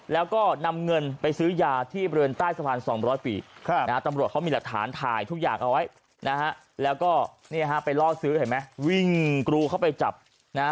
แล้วก็นำเงินไปซื้อยาที่บริเวณใต้สะพานสองร้อยปีนะฮะตำรวจเขามีหลักฐานถ่ายทุกอย่างเอาไว้นะฮะแล้วก็เนี่ยฮะไปล่อซื้อเห็นไหมวิ่งกรูเข้าไปจับนะฮะ